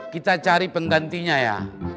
kita cari penggantinya ya